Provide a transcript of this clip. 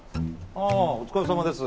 ああお疲れさまです